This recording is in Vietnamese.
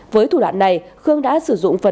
với thủ đoạn này khương đã sử dụng phần